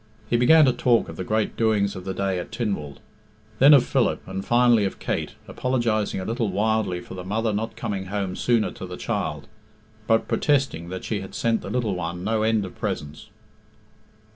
He began to talk of the great doings of the day at Tynwald, then of Philip, and finally of Kate, apologising a little wildly for the mother not coming home sooner to the child, but protesting that she had sent the little one no end of presents.